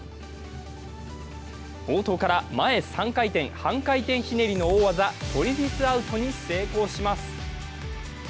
冒頭から前３回転、半回転ひねりの大技トリフィスアウトに成功します。